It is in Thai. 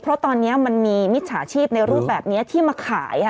เพราะตอนนี้มันมีมิจฉาชีพในรูปแบบนี้ที่มาขาย